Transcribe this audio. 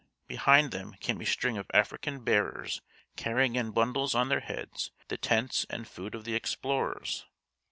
Behind them came a string of African bearers carrying in bundles on their heads the tents and food of the explorers.